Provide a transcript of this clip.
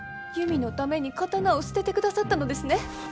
ゆみのために刀を捨ててくださったのですね。